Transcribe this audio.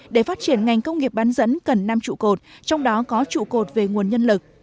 để phát triển ngành công nghiệp bán dẫn cần năm trụ cột trong đó có trụ cột về nguồn nhân lực